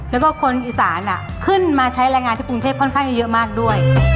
แล้วก็คนอีสานขึ้นมาใช้แรงงานที่กรุงเทพค่อนข้างจะเยอะมากด้วย